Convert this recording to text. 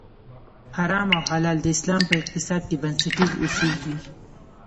حرام او حلال د اسلام په اقتصاد کې بنسټیز اصول دي.